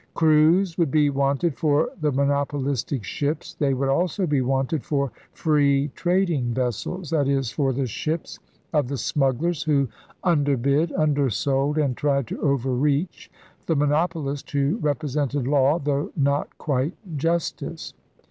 Crews would be wanted for the monopolistic ships. They would also be wanted for * free trading* ELIZABETHAN ENGLAND 59 vessels, that is, for the ships of the smugglers who underbid, undersold, and tried to overreach the monopolist, who represented law, though not quite justice.